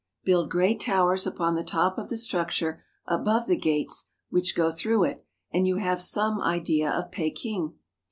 Build great towers upon the top of the structure above the gates which go through it, and you have some idea of Peking.